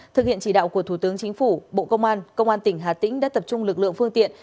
thực hiện chỉ đạo của thủ tướng chính phủ bộ công an công an tỉnh hà tĩnh đã tập trung lực lượng phương tiện